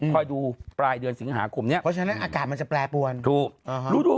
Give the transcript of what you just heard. คอยดูปลายเดือนสิงหาคมนี้เพราะฉะนั้นอากาศมันจะแปรปวนถูกรู้ดู